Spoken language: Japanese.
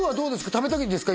食べたいですか？